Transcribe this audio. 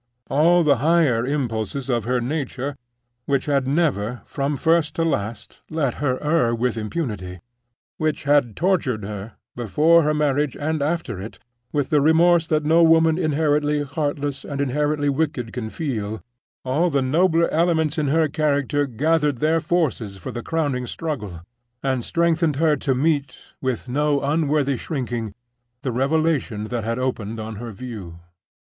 All the higher impulses of her nature, which had never, from first to last, let her err with impunity—which had tortured her, before her marriage and after it, with the remorse that no woman inherently heartless and inherently wicked can feel—all the nobler elements in her character, gathered their forces for the crowning struggle and strengthened her to meet, with no unworthy shrinking, the revelation that had opened on her view.